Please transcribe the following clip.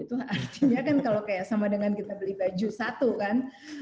itu artinya kan kalau kayak sama dengan kita beli baju satu kan